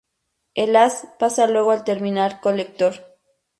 El haz pasa luego al terminal colector.